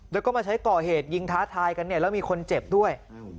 แล้วก็มาใช้ก่อเหตุยิงท้าทายกันเนี่ยแล้วมีคนเจ็บด้วย